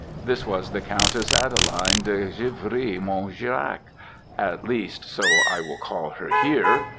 This was the Countess Adeline de Givry Monjerac, at least so I will call her here.